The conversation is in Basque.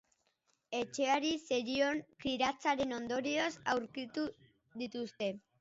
Etxeari zerion kiratsaren ondorioz aurkitu dituzte.